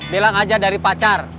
bilang aja dari pacar